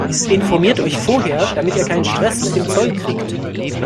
Informiert euch vorher, damit ihr keinen Stress mit dem Zoll kriegt!